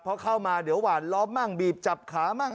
พอเข้ามาเดี๋ยวหวานล้อมมั่งบีบจับขามั่ง